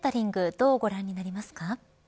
どうご覧になりますか。